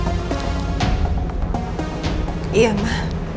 aku belum bayar ma